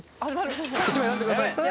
１枚選んでください！